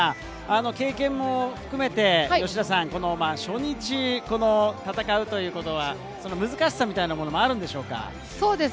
経験も含めて吉田さん、初日戦うということは難しさみたいなのもあるんでしょうか？